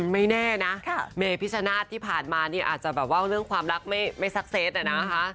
ไม่แน่นะเมพิชนาธิ์ที่ผ่านมานี่อาจจะแบบว่าเรื่องความรักไม่ซักเซตอะนะคะ